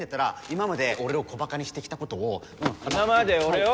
今まで俺を小馬鹿にしてきたことを？